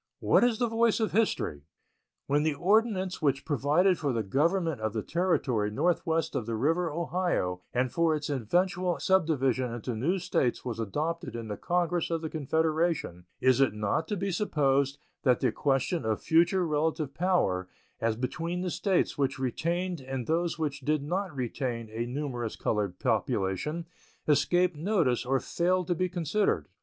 What is the voice of history? When the ordinance which provided for the government of the territory northwest of the river Ohio and for its eventual subdivision into new States was adopted in the Congress of the Confederation, it is not to be supposed that the question of future relative power as between the States which retained and those which did not retain a numerous colored population escaped notice or failed to be considered.